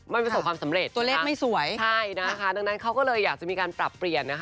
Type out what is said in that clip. ไม่มีส่วนความสำเร็จนะคะใช่นะคะดังนั้นเขาก็เลยอยากจะมีการปรับเปลี่ยน